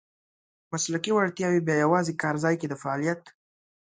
مسلکي وړتیاوې بیا یوازې کارځای کې د فعالیت .